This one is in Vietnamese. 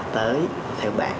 tới theo bạn